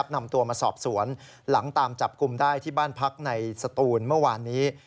นำตัวมาสอบสวนหลังตามจับกลุ่มได้ที่บ้านพักในสตูนเมื่อวานนี้